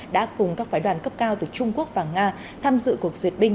đã cùng các phái đoàn cấp cao từ trung quốc và nga tham dự cuộc duyệt binh